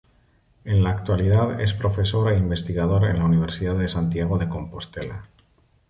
En la actualidad es profesor e investigador en la Universidad de Santiago de Compostela.